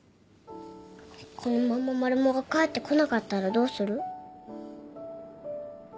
このままマルモが帰ってこなかったらどうする？